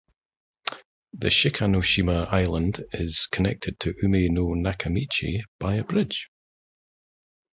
The Shikanoshima Island is connected to Umi no Nakamichi by a bridge.